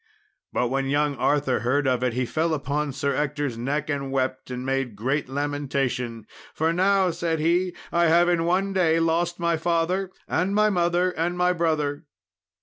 But when young Arthur heard of it, he fell upon Sir Ector's neck, and wept, and made great lamentation, "For now," said he, "I have in one day lost my father and my mother and my brother."